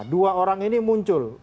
dua orang ini muncul